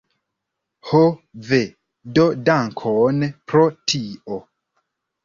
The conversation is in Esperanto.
Ho ve, do dankon pro tio.